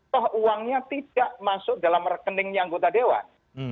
toh uangnya tidak masuk dalam rekeningnya anggota dewan